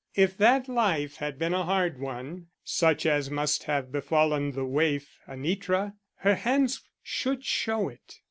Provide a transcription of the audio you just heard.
If that life had been a hard one, such as must have befallen the waif, Anitra, her hands should show it.